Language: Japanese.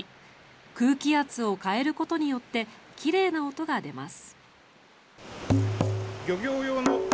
空気圧を変えることによって奇麗な音が出ます。